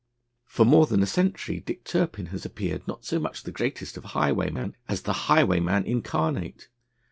For more than a century Dick Turpin has appeared not so much the greatest of highwaymen, as the Highwaymen Incarnate.